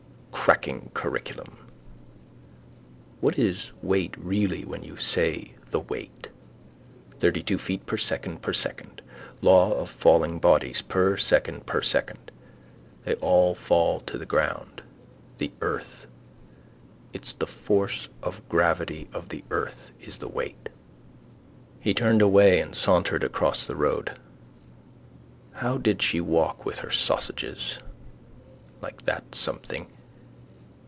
Cracking curriculum. What is weight really when you say the weight? Thirtytwo feet per second per second. Law of falling bodies: per second per second. They all fall to the ground. The earth. It's the force of gravity of the earth is the weight. He turned away and sauntered across the road. How did she walk with her sausages? Like that something.